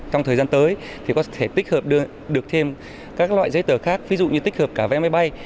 trong thời gian tới thì có thể tích hợp được thêm các loại giấy tờ khác ví dụ như tích hợp cả vé máy bay